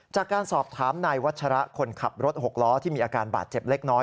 จากการสอบถามนายวัชระคนขับรถหกล้อที่มีอาการบาดเจ็บเล็กน้อย